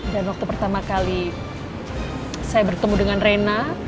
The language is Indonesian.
dan waktu pertama kali saya bertemu dengan reina